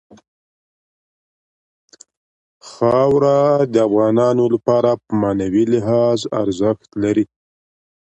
خاوره د افغانانو لپاره په معنوي لحاظ ارزښت لري.